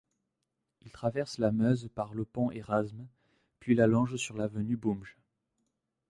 Il traverse la Meuse par le pont Érasme, puis la longe sur l'avenue Boompjes.